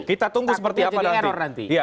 kita tunggu seperti apa nanti